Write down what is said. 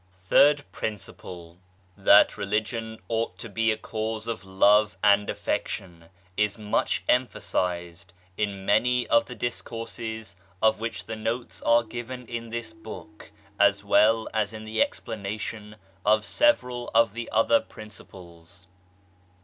THIRD PRINCIPLE [" THAT Religion ought to be a Cause of Love and Affection " is much emphasised in many of the Dis courses of which the Notes are given in this book, as well as in "the Explanation of several of the other Principles.